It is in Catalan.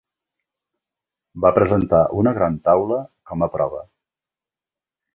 Va presentar una gran taula com a prova.